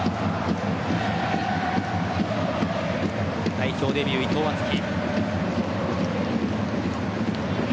代表デビュー、伊藤敦樹。